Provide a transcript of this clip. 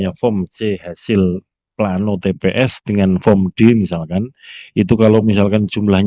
nah terus dari atas ke bawah